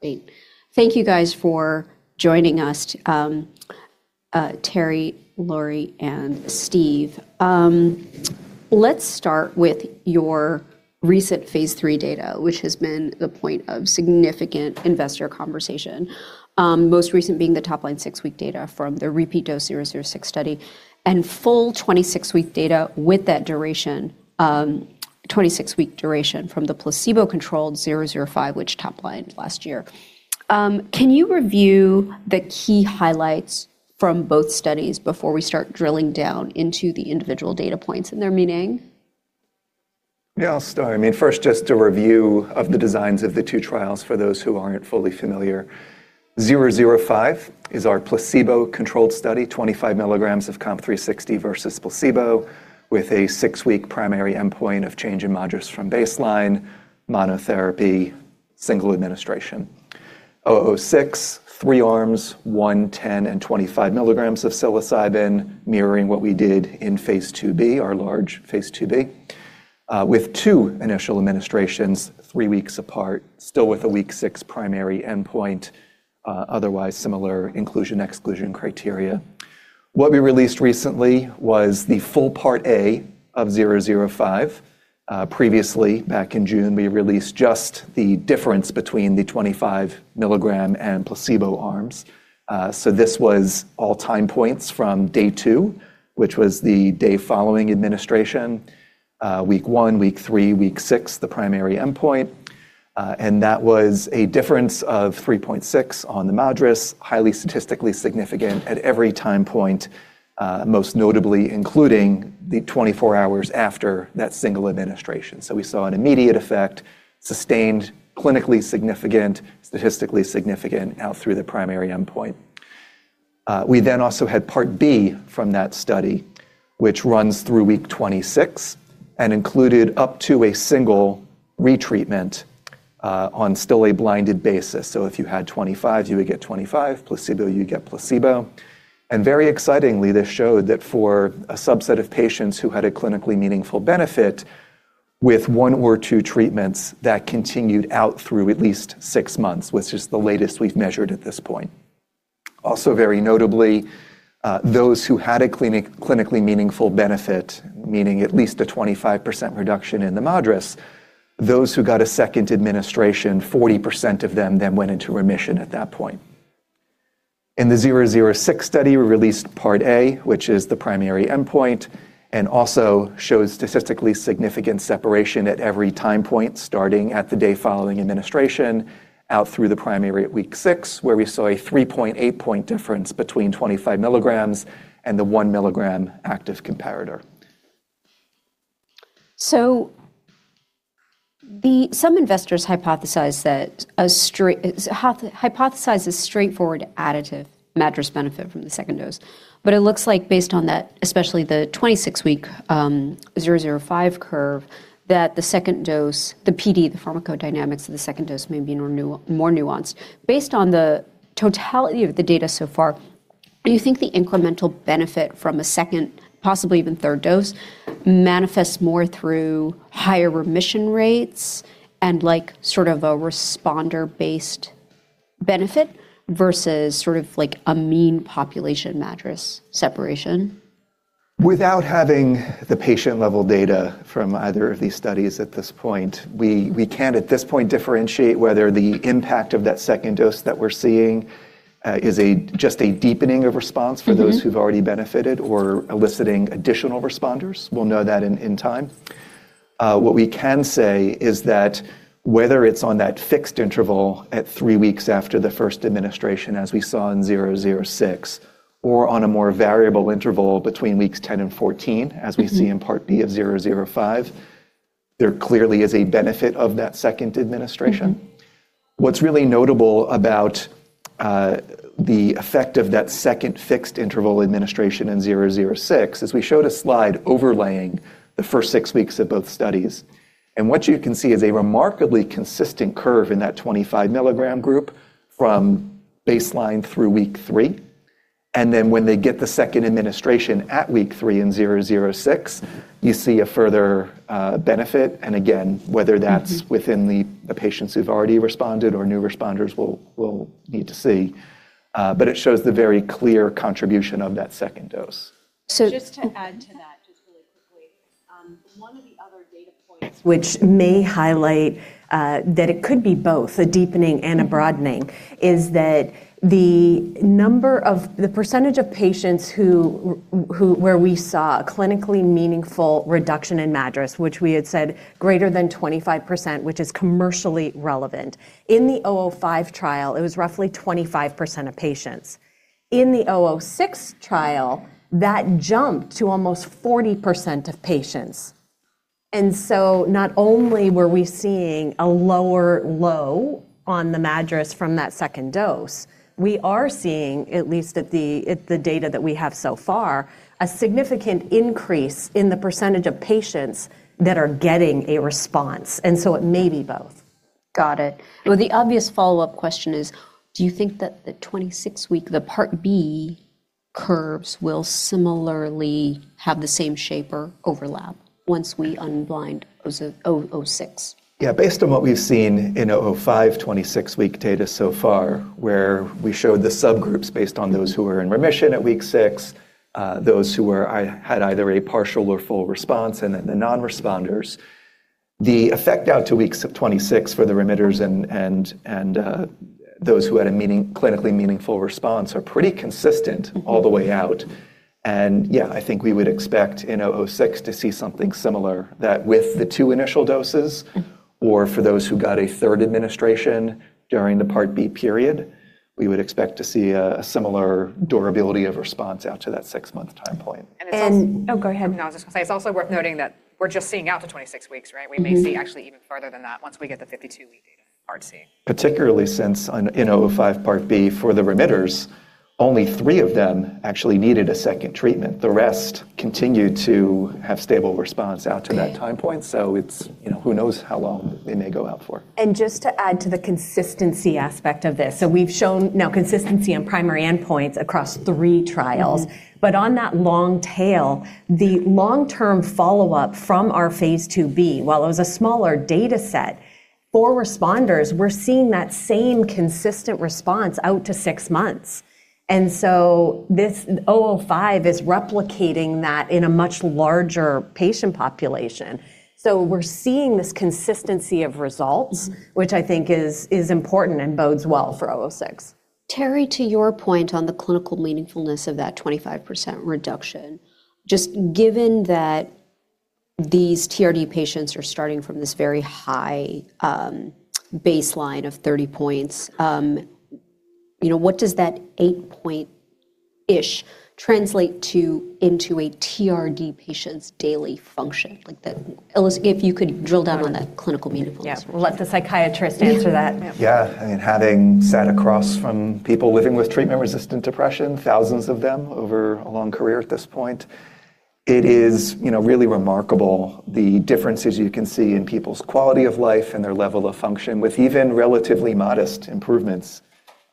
Great. Thank you guys for joining us, Terry, Lori, and Steve. Let's start with your recent Phase III data, which has been the point of significant investor conversation. Most recent being the top line 6-week data from the repeat dose 006 study and full 26-week data with that duration, 26-week duration from the placebo-controlled 005, which top lined last year. Can you review the key highlights from both studies before we start drilling down into the individual data points in their meaning? Yeah, I'll start. I mean, first, just a review of the designs of the two trials for those who aren't fully familiar. 005 is our placebo-controlled study, 25 milligrams of COMP360 versus placebo with a 6-week primary endpoint of change in MADRS from baseline monotherapy single administration. 006, 3 arms, 10 and 25 milligrams of psilocybin mirroring what we did in phase IIb, our large phase IIb. With 2 initial administrations, 3 weeks apart, still with a 6-week primary endpoint, otherwise similar inclusion, exclusion criteria. What we released recently was the full Part A of 005. Previously back in June, we released just the difference between the 25 milligram and placebo arms. This was all time points from day 2, which was the day following administration. Week one, week three, week six, the primary endpoint. That was a difference of 3.6 on the MADRS, highly statistically significant at every time point, most notably including the 24 hours after that single administration. We saw an immediate effect, sustained, clinically significant, statistically significant out through the primary endpoint. We also had Part B from that study, which runs through week 26 and included up to a single retreatment, on still a blinded basis. If you had 25, you would get 25. Placebo, you'd get placebo. Very excitingly, this showed that for a subset of patients who had a clinically meaningful benefit with one or two treatments that continued out through at least 6 months, which is the latest we've measured at this point. Very notably, those who had a clinically meaningful benefit, meaning at least a 25% reduction in the MADRS. Those who got a second administration, 40% of them then went into remission at that point. In the 006 study, we released Part A, which is the primary endpoint, and also shows statistically significant separation at every time point, starting at the day following administration out through the primary at week 6, where we saw a 3.8 point difference between 25 milligrams and the 1 milligram active comparator. Some investors hypothesize that a straightforward additive MADRS benefit from the second dose. It looks like based on that, especially the 26-week, 005 curve, that the second dose, the PD, the pharmacodynamics of the second dose may be more nuanced. Based on the totality of the data so far, do you think the incremental benefit from a second, possibly even third dose, manifests more through higher remission rates and like sort of a responder-based benefit versus sort of like a mean population MADRS separation? Without having the patient-level data from either of these studies at this point, we can't at this point differentiate whether the impact of that second dose that we're seeing, is a just a deepening of response for those who've already benefited or eliciting additional responders. We'll know that in time. What we can say is that whether it's on that fixed interval at three weeks after the first administration, as we saw in 006, or on a more variable interval between weeks 10 and 14, as we see in Part B of 005, there clearly is a benefit of that second administration. What's really notable about the effect of that second fixed interval administration in 006 is we showed a slide overlaying the first six weeks of both studies. What you can see is a remarkably consistent curve in that 25 milligram group from baseline through week three. Then when they get the second administration at week three in 006, you see a further benefit. Again, whether that's within the patients who've already responded or new responders, we'll need to see. But it shows the very clear contribution of that second dose. So- Just to add to that, just really quickly. One of the other data points which may highlight that it could be both a deepening and a broadening is that the percentage of patients who where we saw a clinically meaningful reduction in MADRS, which we had said greater than 25%, which is commercially relevant. In the 005 trial, it was roughly 25% of patients. In the 006 trial, that jumped to almost 40% of patients. Not only were we seeing a lower low on the MADRS from that second dose, we are seeing, at least at the, at the data that we have so far, a significant increase in the percentage of patients that are getting a response. It may be both. Got it. Well, the obvious follow-up question is, do you think that the 26-week, the Part B... curves will similarly have the same shape or overlap once we unblind COMP006? Yeah, based on what we've seen in 005 26-week data so far, where we showed the subgroups based on those who were in remission at week 6, those who had either a partial or full response, and then the non-responders. The effect out to weeks of 26 for the remitters and those who had a clinically meaningful response are pretty consistent all the way out. Yeah, I think we would expect in 006 to see something similar, that with the two initial doses- Mm ... or for those who got a third administration during the Part B period, we would expect to see a similar durability of response out to that six-month time point. And- And it's als- Oh, go ahead. No, I was just gonna say, it's also worth noting that we're just seeing out to 26 weeks, right? Mm-hmm. We may see actually even further than that once we get the 52 week data, Part C. Particularly since in O05 Part B for the remitters, only three of them actually needed a second treatment. The rest continued to have stable response out to that time point. Okay. It's, you know, who knows how long they may go out for. Just to add to the consistency aspect of this, so we've shown now consistency on primary endpoints across three trials. Mm-hmm. On that long tail, the long-term follow-up from our phase IIb, while it was a smaller data set, for responders, we're seeing that same consistent response out to six months. This 005 is replicating that in a much larger patient population. We're seeing this consistency of results. Mm-hmm which I think is important and bodes well for O06. Terry, to your point on the clinical meaningfulness of that 25% reduction, just given that these TRD patients are starting from this very high baseline of 30 points, you know, what does that 8 point-ish translate to into a TRD patient's daily function? Like, if you could drill down on the clinical meaningfulness. We'll let the psychiatrist answer that. Yeah. Yeah. I mean, having sat across from people living with treatment-resistant depression, thousands of them over a long career at this point, it is, you know, really remarkable the differences you can see in people's quality of life and their level of function with even relatively modest improvements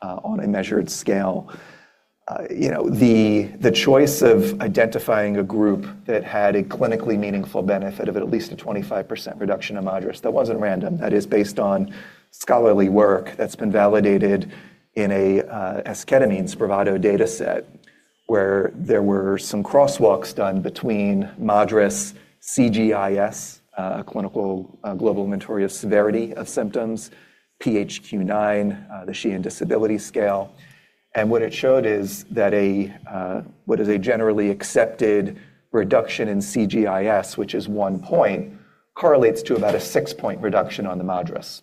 on a measured scale. You know, the choice of identifying a group that had a clinically meaningful benefit of at least a 25% reduction in MADRS, that wasn't random. That is based on scholarly work that's been validated in a esketamine SPRAVATO data set, where there were some crosswalks done between MADRS, CGI-S, Clinical Global Inventory of Severity of Symptoms, PHQ9, the Sheehan Disability Scale. What it showed is that a what is a generally accepted reduction in CGI-S, which is one point, correlates to about a six-point reduction on the MADRS.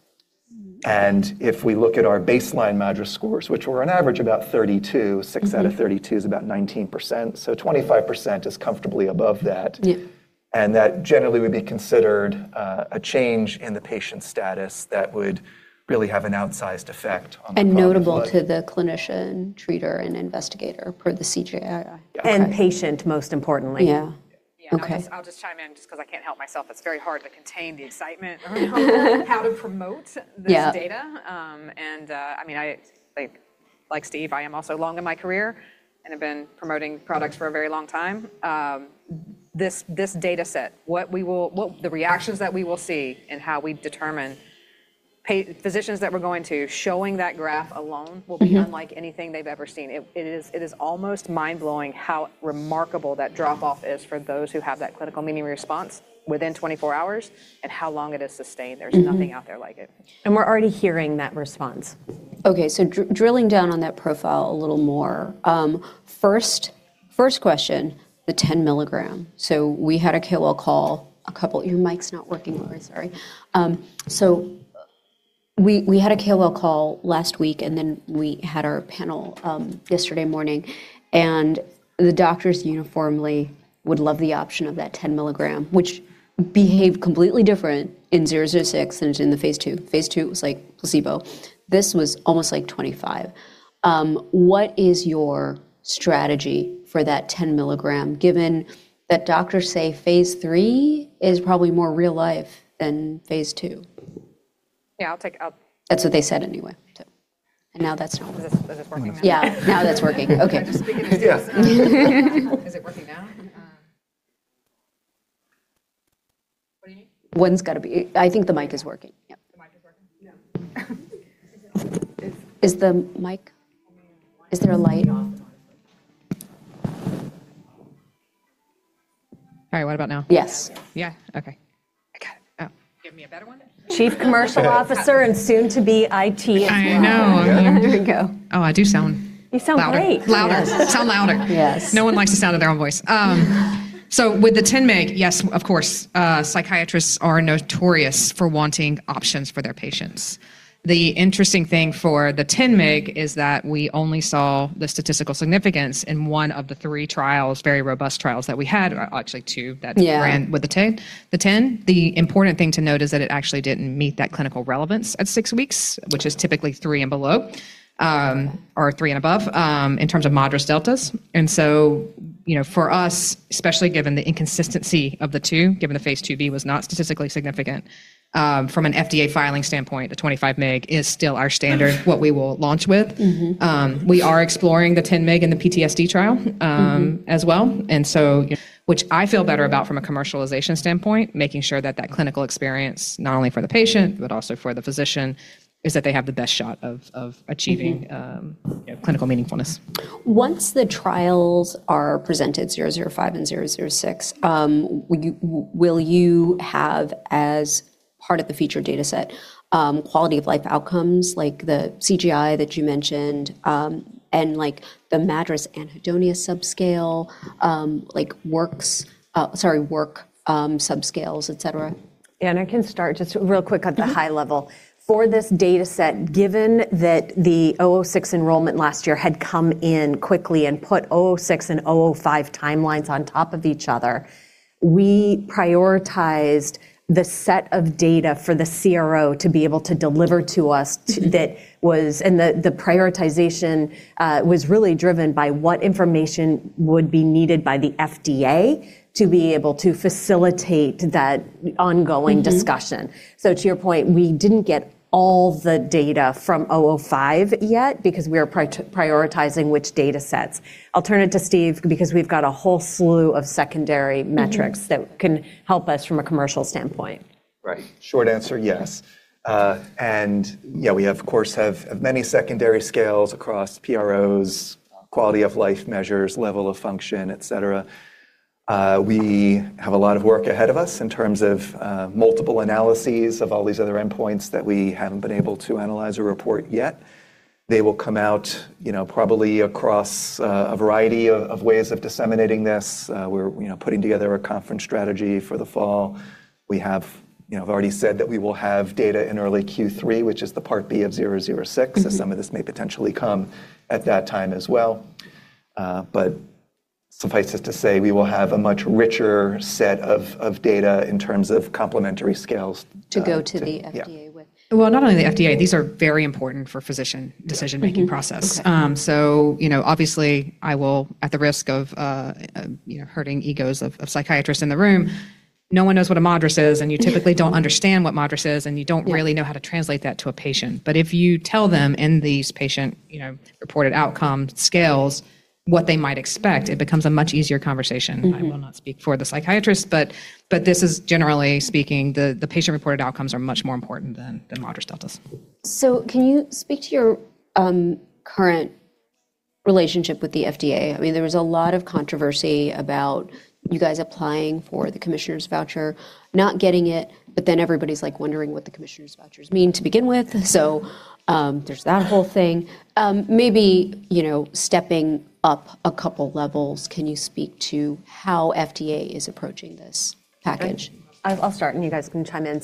If we look at our baseline MADRS scores, which were on average about 32. Mm-hmm... 6 out of 32 is about 19%, so 25% is comfortably above that. Yeah. That generally would be considered a change in the patient's status that would really have an outsized effect on the quality of life. Notable to the clinician, treater, and investigator per the CGI. Yeah. Okay. patient, most importantly. Yeah. Okay. Yeah. I'll just chime in just 'cause I can't help myself. It's very hard to contain the excitement around how to promote this data. Yeah. I mean, I, like Steve, I am also long in my career and have been promoting products for a very long time. This data set, what the reactions that we will see in how we determine physicians that we're going to, showing that graph alone will be. Mm-hmm... unlike anything they've ever seen. It is almost mind-blowing how remarkable that drop-off is for those who have that clinical meaning response within 24 hours, and how long it is sustained. Mm-hmm. There's nothing out there like it. We're already hearing that response. Okay. Drilling down on that profile a little more, first question, the 10 milligram. We had a KOL call a couple... Your mic's not working, Lori, sorry. We had a KOL call last week, then we had our panel yesterday morning, the doctors uniformly would love the option of that 10 milligram, which behaved completely different in COMP006 than it did in the Phase II. Phase II was like placebo. This was almost like 25. What is your strategy for that 10 milligram, given that doctors say Phase III is probably more real life than Phase II? Yeah, I'll take. That's what they said anyway, so. Now that's not working. Is it working now? Yeah. Now that's working. Okay. I'm just speaking into this. Yeah. Is it working now? What do you need? I think the mic is working. Yep. The mic is working? No. Is there a light? All right. What about now? Yes. Yeah? Okay. Okay. Oh, give me a better one. Chief Commercial Officer and soon to be IT. I know. There we go. oh, I do sound loud. You sound great. Louder. Sound louder. Yes. No one likes the sound of their own voice. With the 10 mg, yes, of course. Psychiatrists are notorious for wanting options for their patients. The interesting thing for the 10 mg is that we only saw the statistical significance in one of the three trials, very robust trials that we had. Actually two that we ran-. Yeah... with the 10. The 10, the important thing to note is that it actually didn't meet that clinical relevance at six weeks. Okay... which is typically three and below, or three and above, in terms of MADRS deltas. You know, for us, especially given the inconsistency of the two, given the Phase IIb was not statistically significant, from an FDA filing standpoint, the 25 mig is still our standard what we will launch with. Mm-hmm. We are exploring the 10 mig in the PTSD trial. Mm-hmm... as well. Which I feel better about from a commercialization standpoint, making sure that that clinical experience, not only for the patient, but also for the physician, is that they have the best shot of achieving- Mm-hmm you know, clinical meaningfulness. Once the trials are presented 005 and 006, will you have as part of the future data set, quality of life outcomes like the CGI that you mentioned, and like the MADRS anhedonia subscale, like work subscales, et cetera? Anna can start just real quick at the high level. For this data set, given that the O06 enrollment last year had come in quickly and put O06 and O05 timelines on top of each other, we prioritized the set of data for the CRO to be able to deliver to us. Mm-hmm... that was... The prioritization was really driven by what information would be needed by the FDA to be able to facilitate that ongoing discussion. Mm-hmm. To your point, we didn't get all the data from 005 yet because we are prioritizing which data sets. I'll turn it to Steve because we've got a whole slew of secondary metrics. Mm-hmm that can help us from a commercial standpoint. Right. Short answer, yes. You know we of course have many secondary scales across PROs, quality of life measures, level of function, et cetera. We have a lot of work ahead of us in terms of multiple analyses of all these other endpoints that we haven't been able to analyze or report yet. They will come out, you know, probably across a variety of ways of disseminating this. We're, you know, putting together a conference strategy for the fall. We have, you know, I've already said that we will have data in early Q3, which is the part B of 006. Mm-hmm. Some of this may potentially come at that time as well. Suffice just to say, we will have a much richer set of data in terms of complementary scales. To go to the FDA with. Yeah. Well, not only the FDA, these are very important for physician decision-making process. Okay. You know, obviously I will, at the risk of, you know, hurting egos of psychiatrists in the room, no one knows what a MADRS is, and you typically don't understand what MADRS is, and you don't really know how to translate that to a patient. If you tell them in these patient, you know, reported outcome scales what they might expect, it becomes a much easier conversation. Mm-hmm. I will not speak for the psychiatrist, but this is generally speaking, the Patient-Reported Outcomes are much more important than MADRS delta is. Can you speak to your current relationship with the FDA? I mean, there was a lot of controversy about you guys applying for the Commissioner's voucher, not getting it, but then everybody's like wondering what the Commissioner's vouchers mean to begin with. There's that whole thing. Maybe, you know, stepping up a couple levels, can you speak to how FDA is approaching this package? I'll start, and you guys can chime in.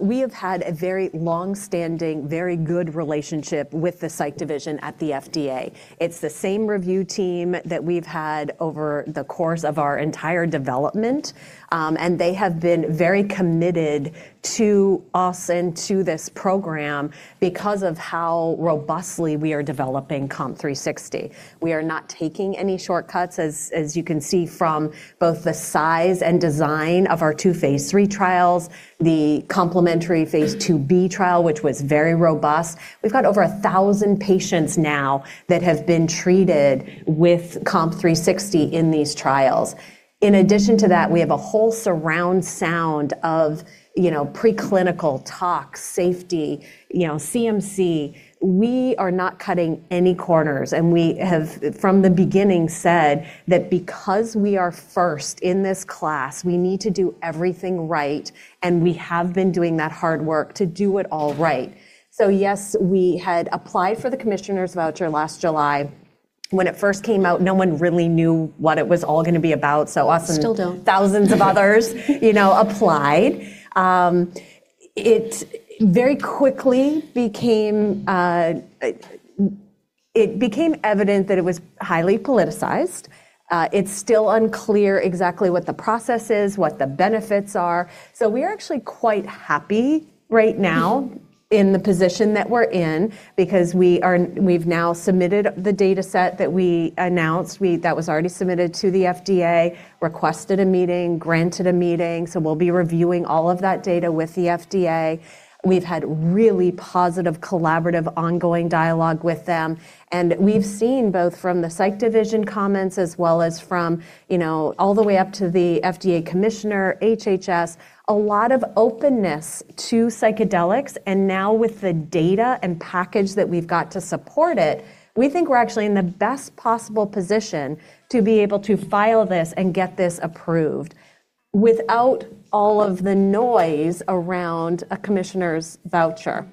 We have had a very long-standing, very good relationship with the Division of Psychiatry at the FDA. It's the same review team that we've had over the course of our entire development. They have been very committed to us and to this program because of how robustly we are developing COMP360. We are not taking any shortcuts, as you can see from both the size and design of our 2 Phase III trials, the complementary Phase IIb trial, which was very robust. We've got over 1,000 patients now that have been treated with COMP360 in these trials. In addition to that, we have a whole surround sound of, you know, preclinical toxicology, safety, you know, CMC. We are not cutting any corners, and we have from the beginning said that because we are first in this class, we need to do everything right, and we have been doing that hard work to do it all right. Yes, we had applied for the Commissioner's voucher last July. When it first came out, no one really knew what it was all gonna be about. Us and. Still don't. thousands of others, you know, applied. it very quickly became evident that it was highly politicized. it's still unclear exactly what the process is, what the benefits are. We're actually quite happy right now in the position that we're in because we've now submitted the data set that we announced. That was already submitted to the FDA, requested a meeting, granted a meeting, so we'll be reviewing all of that data with the FDA. We've had really positive, collaborative, ongoing dialogue with them. We've seen both from the psych division comments as well as from, you know, all the way up to the FDA Commissioner, HHS, a lot of openness to psychedelics. Now with the data and package that we've got to support it, we think we're actually in the best possible position to be able to file this and get this approved without all of the noise around a Commissioner's voucher.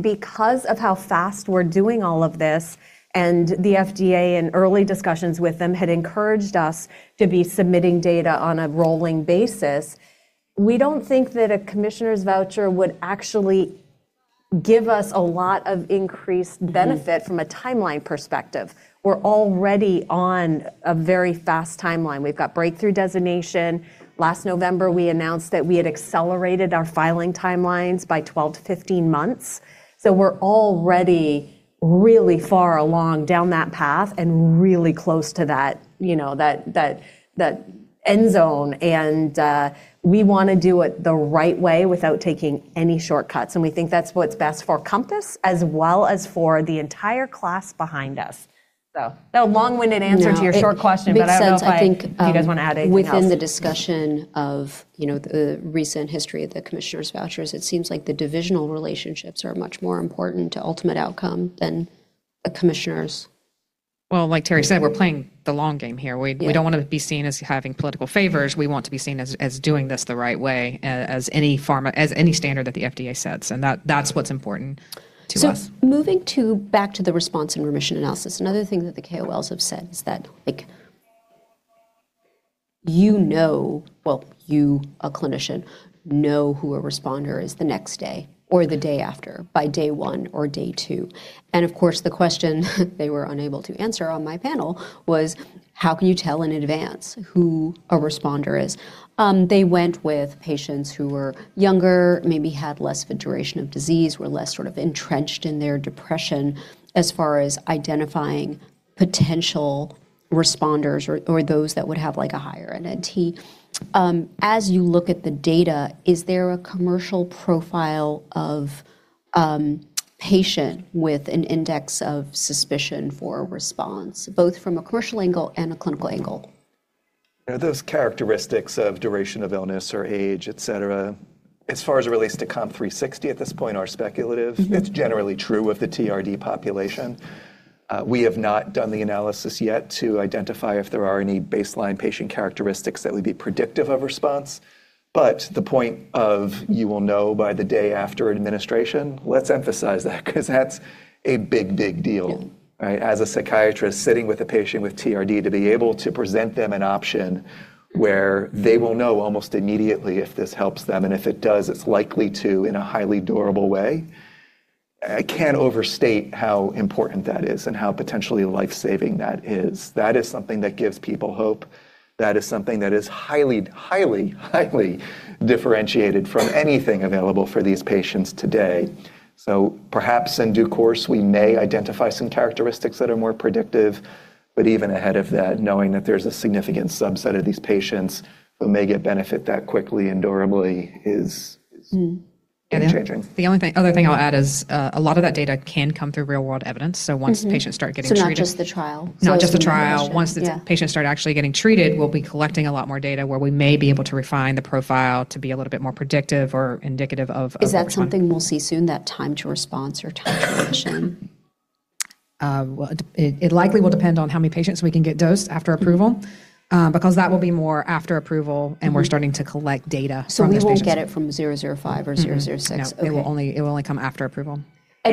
Because of how fast we're doing all of this, and the FDA in early discussions with them had encouraged us to be submitting data on a rolling basis, we don't think that a Commissioner's voucher would actually give us a lot of increased benefit. Mm-hmm from a timeline perspective. We're already on a very fast timeline. We've got breakthrough designation. Last November, we announced that we had accelerated our filing timelines by 12 to 15 months, we're already really far along down that path and really close to that, you know, that end zone. We wanna do it the right way without taking any shortcuts, and we think that's what's best for Compass as well as for the entire class behind us. A long-winded answer. Yeah... to your short question. It makes sense. Do you guys wanna add anything else? Within the discussion of, you know, the recent history of the Commissioner's vouchers, it seems like the divisional relationships are much more important to ultimate outcome than a Commissioner's. Well, like Terry said, we're playing the long game here. Yeah. We don't wanna be seen as having political favors. We want to be seen as doing this the right way as any pharma, as any standard that the FDA sets, and that's what's important to us. back to the response and remission analysis, another thing that the KOLs have said is that, like, you know. You, a clinician, know who a responder is the next day or the day after, by day 1 or day 2, of course, the question they were unable to answer on my panel was: how can you tell in advance who a responder is? They went with patients who were younger, maybe had less of a duration of disease, were less sort of entrenched in their depression as far as identifying potential responders or those that would have, like, a higher NNT. As you look at the data, is there a commercial profile of patient with an index of suspicion for a response, both from a commercial angle and a clinical angle? You know, those characteristics of duration of illness or age, et cetera, as far as it relates to COMP360 at this point are speculative. Mm-hmm. It's generally true of the TRD population. We have not done the analysis yet to identify if there are any baseline patient characteristics that would be predictive of response, but the point of you will know by the day after administration, let's emphasize that 'cause that's a big, big deal. Yeah. Right? As a psychiatrist sitting with a patient with TRD, to be able to present them an option where they will know almost immediately if this helps them, and if it does, it's likely to in a highly durable way, I can't overstate how important that is and how potentially life-saving that is. That is something that gives people hope. That is something that is highly, highly differentiated from anything available for these patients today. Perhaps in due course, we may identify some characteristics that are more predictive, but even ahead of that, knowing that there's a significant subset of these patients who may get benefit that quickly and durably is game-changing. The other thing I'll add is, a lot of that data can come through real-world evidence. Mm-hmm. once patients start getting Not just the trial. Not just the trial. So it's- Once the- Yeah... patients start actually getting treated, we'll be collecting a lot more data where we may be able to refine the profile to be a little bit more predictive or indicative of. Is that something we'll see soon, that time to response or time to remission? Well, it likely will depend on how many patients we can get dosed after approval, because that will be more after approval. Mm-hmm We're starting to collect data from those patients. We won't get it from 005 or 006? Mm-mm. No. Okay. It will only come after approval.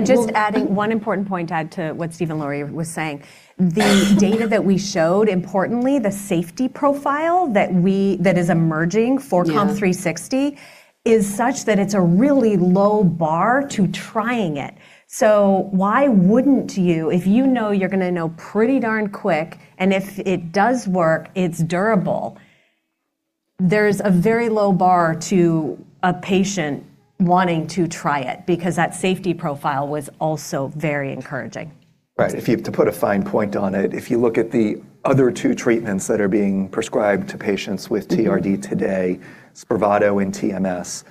Just adding one important point to add to what Steve and Lori was saying. The data that we showed, importantly, the safety profile that is emerging for- Yeah COMP360 is such that it's a really low bar to trying it. Why wouldn't you, if you know you're gonna know pretty darn quick, and if it does work, it's durable, there's a very low bar to a patient wanting to try it because that safety profile was also very encouraging. Right. If you have to put a fine point on it, if you look at the other two treatments that are being prescribed to patients with TRD today- Mm-hmm... SPRAVATO and TMS.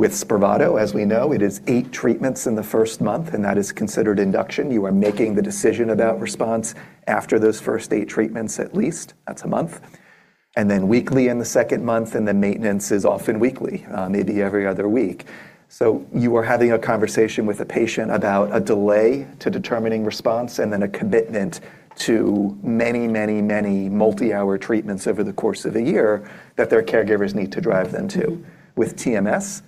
With SPRAVATO, as we know, it is 8 treatments in the first month, that is considered induction. You are making the decision about response after those first 8 treatments at least. That's a month. Weekly in the second month, and then maintenance is often weekly, maybe every other week. You are having a conversation with a patient about a delay to determining response and then a commitment to many, many, many multi-hour treatments over the course of a year that their caregivers need to drive them to. With TMS,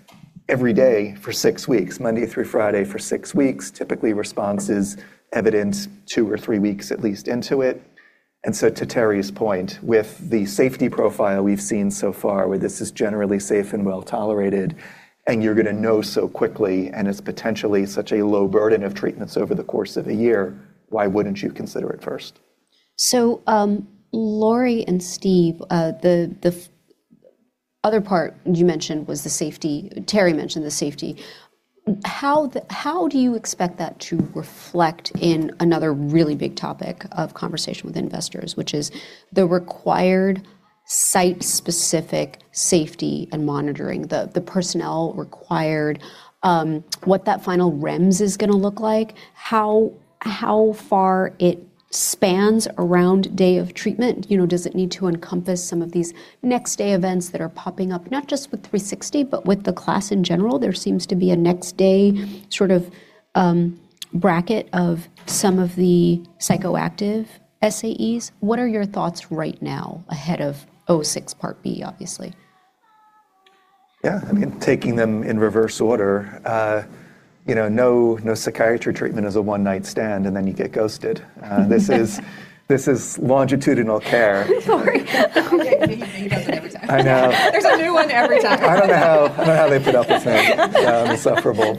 every day for 6 weeks, Monday through Friday for 6 weeks. Typically, response is evident 2 or 3 weeks at least into it. To Terry's point, with the safety profile we've seen so far, where this is generally safe and well-tolerated, and you're gonna know so quickly, and it's potentially such a low burden of treatments over the course of a year, why wouldn't you consider it first? Lori and Steve, the other part you mentioned was the safety. Terry mentioned the safety. How do you expect that to reflect in another really big topic of conversation with investors, which is the required site-specific safety and monitoring, the personnel required, what that final REMS is gonna look like, how far it spans around day of treatment? You know, does it need to encompass some of these next-day events that are popping up, not just with 360, but with the class in general? There seems to be a next-day sort of bracket of some of the psychoactive SAEs. What are your thoughts right now ahead of O06 Part B, obviously? Yeah. I mean, taking them in reverse order, you know, no psychiatry treatment is a one-night stand, and then you get ghosted. This is longitudinal care. Sorry. He does it every time. I know. There's a new one every time. I don't know how, I don't know how they put up with me. I'm insufferable.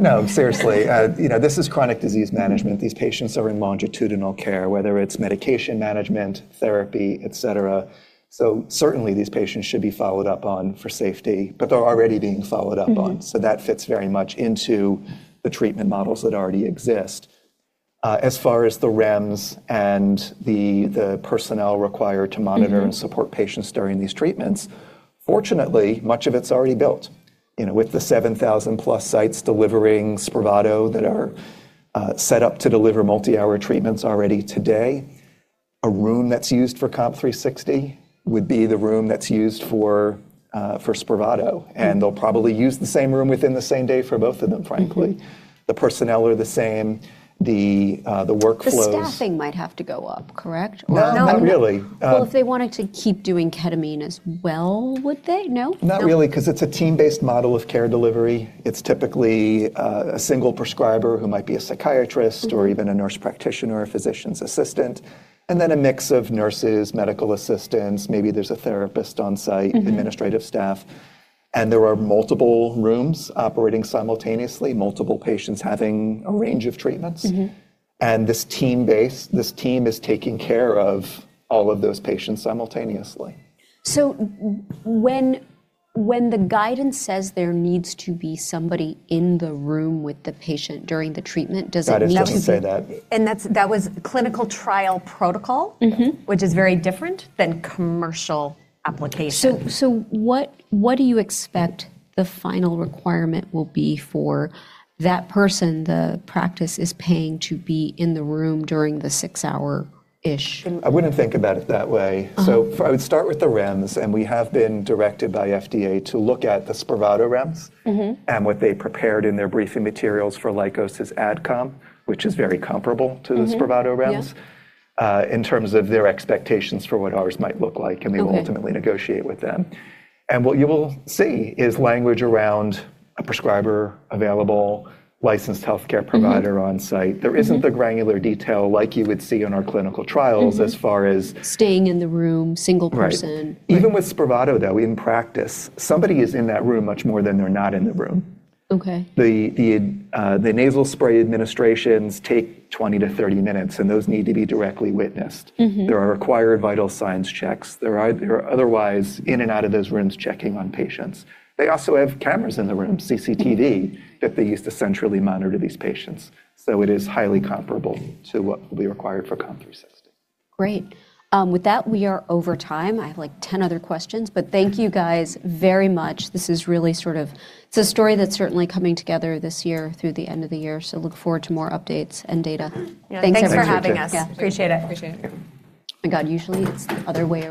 No, seriously, you know, this is chronic disease management. These patients are in longitudinal care, whether it's medication management, therapy, et cetera. Certainly these patients should be followed up on for safety, but they're already being followed up on. Mm-hmm. That fits very much into the treatment models that already exist. As far as the REMS and the personnel required to monitor. Mm-hmm... support patients during these treatments, fortunately, much of it's already built. You know, with the 7,000 plus sites delivering SPRAVATO that are set up to deliver multi-hour treatments already today. A room that's used for COMP360 would be the room that's used for SPRAVATO. Mm-hmm. They'll probably use the same room within the same day for both of them, frankly. Mm-hmm. The personnel are the same. The, the workflows... The staffing might have to go up, correct? Or no- No, not really. Well, if they wanted to keep doing ketamine as well, would they? No? No. Not really, 'cause it's a team-based model of care delivery. It's typically a single prescriber who might be a psychiatrist- Mm-hmm... or even a nurse practitioner or physician's assistant, and then a mix of nurses, medical assistants, maybe there's a therapist on site. Mm-hmm... administrative staff. There are multiple rooms operating simultaneously, multiple patients having a range of treatments. Mm-hmm. This team is taking care of all of those patients simultaneously. When the guidance says there needs to be somebody in the room with the patient during the treatment, does that mean- That is not to say that that was clinical trial protocol. Mm-hmm which is very different than commercial application. What do you expect the final requirement will be for that person the practice is paying to be in the room during the 6 hour-ish? I wouldn't think about it that way. Uh-huh. I would start with the REMS, and we have been directed by FDA to look at the SPRAVATO REMS. Mm-hmm what they prepared in their briefing materials for Lykos's AdCom, which is very comparable to- Mm-hmm... the SPRAVATO REMS- Yeah... in terms of their expectations for what ours might look like. Okay... we will ultimately negotiate with them. What you will see is language around a prescriber available, licensed healthcare provider on site. Mm-hmm. Mm-hmm. There isn't the granular detail like you would see on our clinical trials. Mm-hmm... as far as- Staying in the room, single person. Right. Even with SPRAVATO, though, in practice, somebody is in that room much more than they're not in the room. Okay. The nasal spray administrations take 20 to 30 minutes, and those need to be directly witnessed. Mm-hmm. There are required vital signs checks. They're otherwise in and out of those rooms checking on patients. They also have cameras in the room, CCTV, that they use to centrally monitor these patients. It is highly comparable to what will be required for COMP360. Great. With that, we are over time. I have, like, 10 other questions. Thank you guys very much. This is really It's a story that's certainly coming together this year through the end of the year, look forward to more updates and data. Yeah. Thanks, everyone. Thanks for having us. Yeah. Appreciate it. Thank you. Appreciate it. God, usually it's other way around.